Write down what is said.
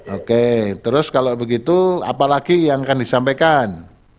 oke terus kalau begitu apalagi yang akan disampaikan